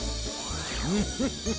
フフフッ。